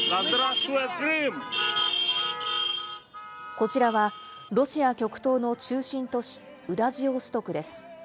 こちらは、ロシア極東の中心都市ウラジオストクです。